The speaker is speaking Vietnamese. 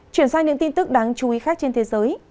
chuyển sang những tin tức đáng chú ý khác trên thế giới